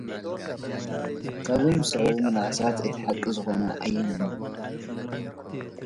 ሰኔት አምዕል ዋርዶሃታ - ለእግል ወድ አብ ዐምብራ